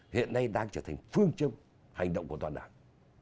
hiện nay đang trở thành phương châm hành động của toàn đảng